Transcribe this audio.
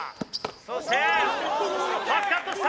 そしてパスカットした！